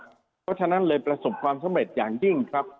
เพราะฉะนั้นเลยประสบความสำเร็จอย่างยิ่งครับ